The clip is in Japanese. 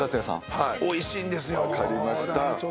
はいおいしいんですよ。